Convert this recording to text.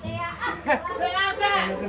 dia tak mau cek onet